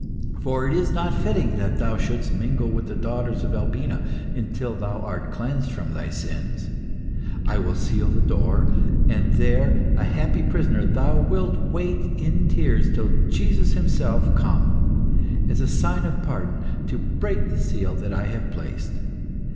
For it is not fitting that thou shouldst mingle with the daughters of Albina until thou art cleansed from thy sins. I will seal the door, and there, a happy prisoner, thou wilt wait in tears till Jesus Himself come, as a sign of pardon, to break the seal that I have placed.